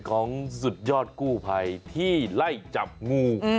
สุดยอดกู้ภัยที่ไล่จับงู